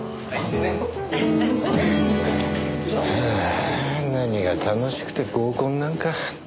ハア何が楽しくて合コンなんか。